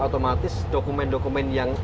otomatis dokumen dokumen yang